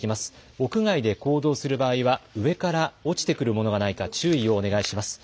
屋外で行動する場合は、上から落ちてくるものがないか、注意をお願いします。